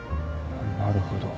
なるほど。